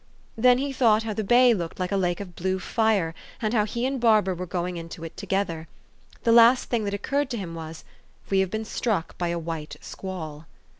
Then he thought how the bay looked like a lake of blue fire, and how he and Barbara were going into it together. The last thing that occurred to him was, " We have been struck by a white squall."